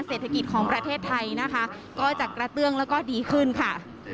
เศรษฐกิจของประเทศไทยนะคะก็จะกระเตื้องแล้วก็ดีขึ้นค่ะ